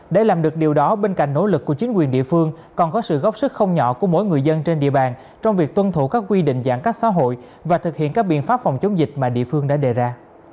để làm được điều đó bên cạnh nỗ lực của chính quyền địa phương còn có sự góp sức không nhỏ của mỗi người dân trên địa bàn trong việc tuân thủ các quy định giãn cách xã hội và thực hiện các biện pháp phòng chống dịch mà địa phương đã đề ra